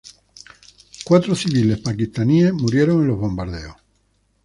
Cuatro civiles pakistaníes murieron en los bombardeos.